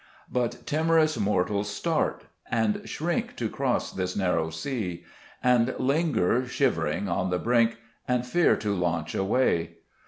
4 But timorous mortals start and shrink To cross this narrow sea ; And linger, shivering, on the brink, And fear to launch away.